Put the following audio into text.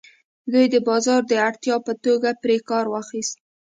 دوی د بازار د اړتیا په توګه پرې کار واخیست.